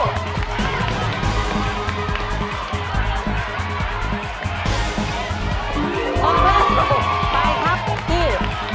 ออกลูกไปครับที่